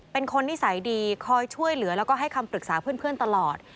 เป็นคนนิสัยดีคอยช่วยเหลือแล้วก็ให้คำปรึกษาเพื่อนตลอด